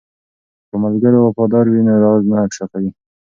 که ملګری وفادار وي نو راز نه افشا کیږي.